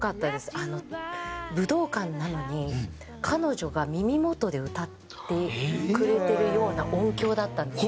あの武道館なのに彼女が耳元で歌ってくれてるような音響だったんですよ。